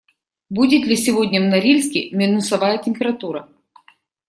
Будет ли сегодня в Норильске минусовая температура?